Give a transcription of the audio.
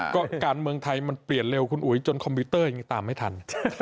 ก็การเมืองไทยมันเปลี่ยนเร็วคุณอุ๋ยจนคอมพิวเตอร์ยังตามไม่ทัน